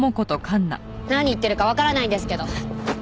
何言ってるかわからないんですけど。